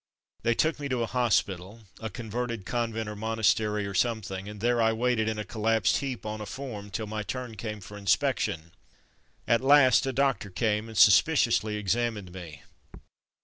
They took me to a hospital — a converted convent or monastery, or something; and there I waited in a collapsed heap on a form till my turn came for inspection. At last a doctor came, and suspiciously examined me.